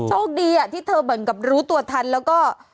โชคดีอ่ะที่เธอบังกับรู้ตัวทันแล้วก็